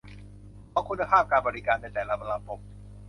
ของคุณภาพการบริการในแต่ละระบบ